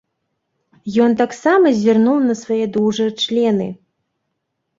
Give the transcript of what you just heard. Ён таксама зірнуў на свае дужыя члены.